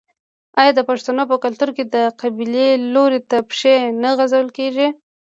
آیا د پښتنو په کلتور کې د قبلې لوري ته پښې نه غځول کیږي؟